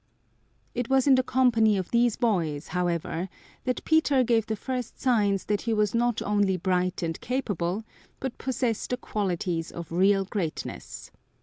It was in the company of these boys, however, that Peter gave the first signs that he was not only bright and capable but possessed the qualities of real greatness.